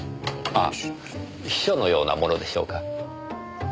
ああ秘書のようなものでしょうか。